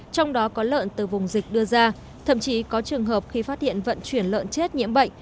trong đó có lợn từ vùng dịch đưa ra thậm chí có trường hợp khi phát hiện vận chuyển lợn chết nhiễm bệnh